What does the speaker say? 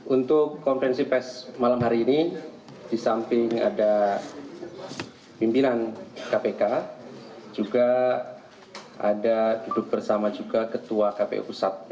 untuk konferensi pes malam hari ini di samping ada pimpinan kpk juga ada duduk bersama juga ketua kpu pusat